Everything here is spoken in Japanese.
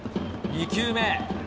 ２球目。